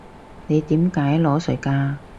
你點解裸睡㗎？